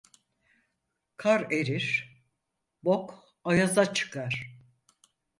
Kar erir, bok ayaza çıkar.